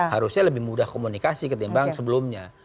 harusnya lebih mudah komunikasi ketimbang sebelumnya